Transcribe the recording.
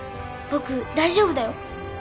僕大丈夫だよ。